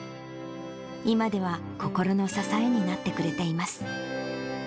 今では心の支えになってくれています。